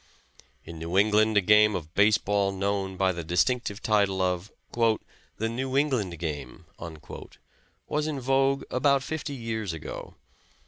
In New England a game of base ball known by the distinctive title of "The New England game" was in vogue about fifty years ago.